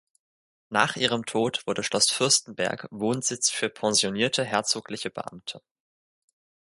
Nach ihrem Tod wurde Schloss Fürstenberg Wohnsitz für pensionierte herzogliche Beamte.